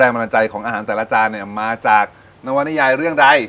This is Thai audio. กำลังใจของอาหารแต่ละจานเนี่ยมาจากนวนิยายเรื่องใด